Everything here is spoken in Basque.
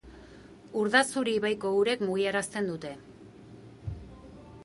Urdazuri ibaiko urek mugiarazten dute.